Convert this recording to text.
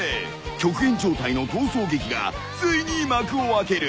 ［極限状態の逃走劇がついに幕を開ける］